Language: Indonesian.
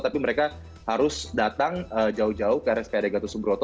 tapi mereka harus datang jauh jauh ke rspad gatus subroto